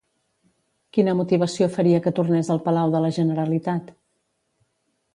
Quina motivació faria que tornés al Palau de la Generalitat?